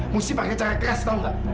mesti pake cara keras tau gak